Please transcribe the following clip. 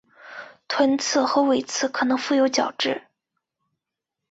臀刺与尾刺可能覆有角质。